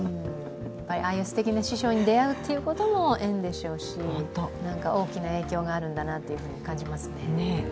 ああいうすてきな師匠に出会うってことも縁でしょうし大きな影響があるんだなと感じますね。